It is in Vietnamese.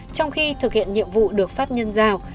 trong khi thực hiện nhiệm vụ được pháp nhân giao